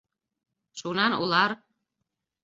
Шунан улар: